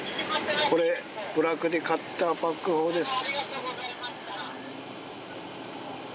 これ部落で買ったバックホウです